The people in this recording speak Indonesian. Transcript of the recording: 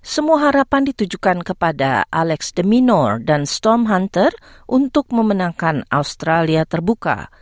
semua harapan ditujukan kepada alex deminor dan storm hunter untuk memenangkan australia terbuka